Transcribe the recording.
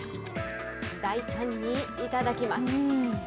大胆にいただきます。